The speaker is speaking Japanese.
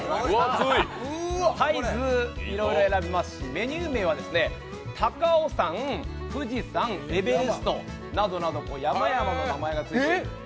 サイズいろいろ選べますしメニュー名は高尾山、富士山、エベレストなどなど山々の名前がついています